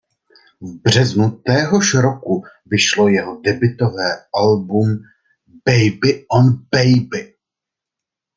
V březnu téhož roku vyšlo jeho debutové album "Baby on Baby".